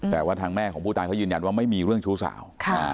แต่ว่าทางแม่ของผู้ตายเขายืนยันว่าไม่มีเรื่องชู้สาว